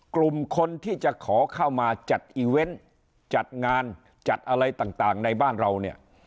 กลุ่มคนที่จะขอเข้ามาจัดอีเวนต์จัดงานจัดอะไรต่างในบ้านเราเนี่ย